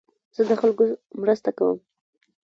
زه د خلکو مرسته کوم.